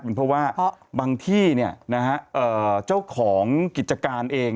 เป็นเพราะว่าบางที่เจ้าของกิจการเอง